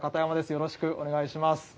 よろしくお願いします。